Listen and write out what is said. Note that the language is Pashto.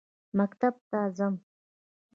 مکتب ته ځم.